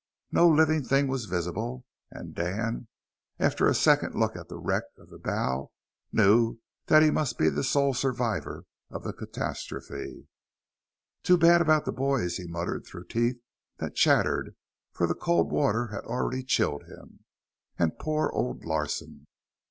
No living thing was visible; and Dan, after a second look at the wreck of the bow, knew that he must be the sole survivor of the catastrophe. "Too bad about the boys," he muttered through teeth that chattered, for the cold water had already chilled him. "And poor old Larsen."